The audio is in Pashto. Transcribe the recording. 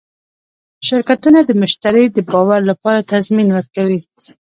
شرکتونه د مشتری د باور لپاره تضمین ورکوي.